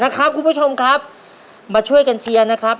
คุณผู้ชมครับมาช่วยกันเชียร์นะครับ